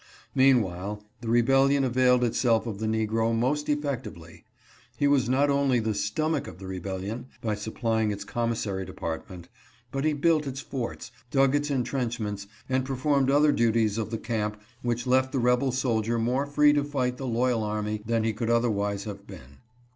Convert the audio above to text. Meanwhile the rebellion availed itself of the negro most effectively. He was not only the stomach of the rebellion, by supplying its commissary de partment, but he built its forts, dug its intrenchments and performed other duties of the camp which left the rebel soldier more free to fight the loyal army than 412 THE ADMINISTRATION BLIND. he could otherwise have been.